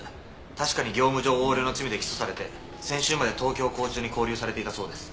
確かに業務上横領の罪で起訴されて先週まで東京拘置所に勾留されていたそうです。